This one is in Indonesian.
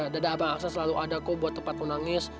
dada abang aksan selalu ada kok buat tempatmu nangis